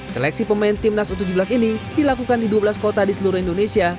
seleksi pemain timnas u tujuh belas ini dilakukan di dua belas kota di seluruh indonesia